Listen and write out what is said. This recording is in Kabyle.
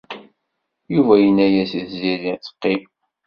Yuba yenna-as i Tiziri ad teqqim.